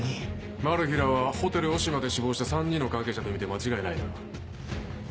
マル被らはホテルオシマで死亡した３人の関係者とみて間違いないな。